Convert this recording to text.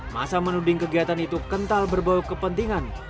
masa menuding kegiatan itu kental berbau kepentingan